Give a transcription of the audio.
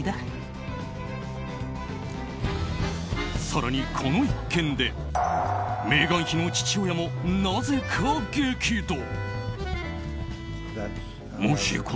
更に、この一件でメーガン妃の父親もなぜか激怒。